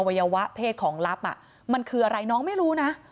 วัยวะเพศของลับมันคืออะไรน้องไม่รู้นะ